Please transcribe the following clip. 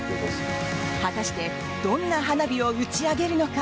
果たしてどんな花火を打ち上げるのか。